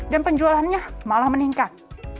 dan penjualannya malah meningkat